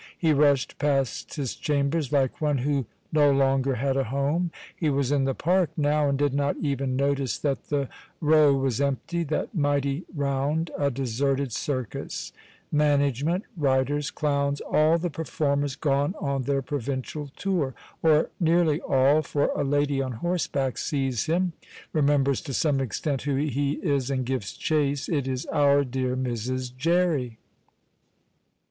He rushed past his chambers like one who no longer had a home. He was in the park now, and did not even notice that the Row was empty, that mighty round a deserted circus; management, riders, clowns, all the performers gone on their provincial tour, or nearly all, for a lady on horseback sees him, remembers to some extent who he is, and gives chase. It is our dear Mrs. Jerry.